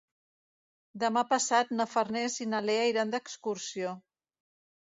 Demà passat na Farners i na Lea iran d'excursió.